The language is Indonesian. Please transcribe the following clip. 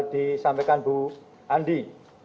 disampaikan bu andi